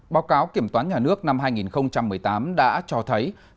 báo cáo kiểm toán nhà nước năm hai nghìn một mươi tám đã cho thấy